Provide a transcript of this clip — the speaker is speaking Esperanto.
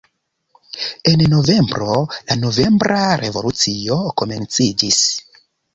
En novembro, la novembra revolucio komenciĝis.